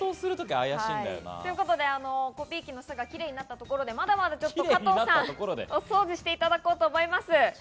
コピー機の下がキレイになったところでまだまだ加藤さん、お掃除していただこうと思います。